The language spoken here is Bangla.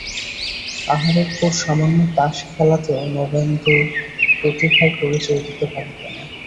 আহারের পর সামান্য তাস খেলাতেও নবেন্দু প্রতিভার পরিচয় দিতে পারিত না।